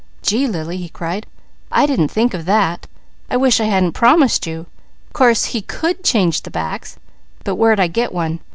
"Gee, Lily!" he cried. "I didn't think of that I wish I hadn't promised you. Course he could change the backs, but where'd I get one.